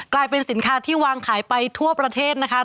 กลายเป็นสินค้าที่วางขายไปทั่วประเทศนะคะ